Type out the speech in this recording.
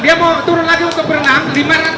dia mau turun lagi untuk berenang lima ratus meter ke dua